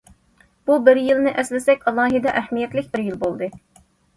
بۇ بىر يىلنى ئەسلىسەك، ئالاھىدە ئەھمىيەتلىك بىر يىل بولدى.